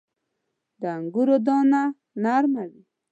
• د انګورو دانه نرمه وي.